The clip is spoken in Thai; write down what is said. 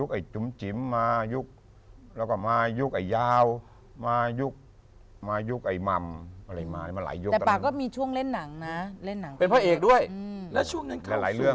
แล้วช่วงนั้นเข้าสู่เข้าสู่วงการบันเทิงแล้วหลายเรื่อง